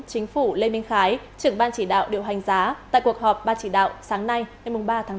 chính phủ lê minh khái trưởng ban chỉ đạo điều hành giá tại cuộc họp ban chỉ đạo sáng nay ngày ba tháng bốn